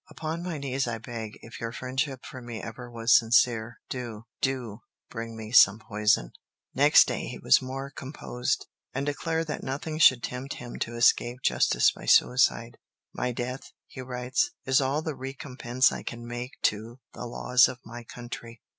Upon my knees I beg, if your friendship for me ever was sincere, do, do bring me some poison." Next day he was more composed, and declared that nothing should tempt him to escape justice by suicide. "My death," he writes, "is all the recompense I can make to the laws of my country."